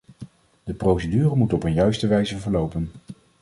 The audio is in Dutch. De procedure moet op een juiste wijze verlopen.